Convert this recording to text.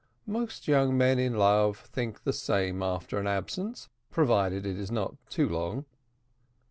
Most young men in love think the same after an absence, provided it is not too long.